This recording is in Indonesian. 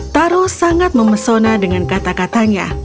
taro sangat memesona dengan kata katanya